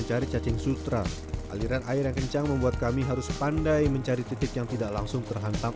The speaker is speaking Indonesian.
aliran air yang kencang membuat kami harus pandai mencari titik yang tidak langsung terhantam